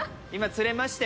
釣れました。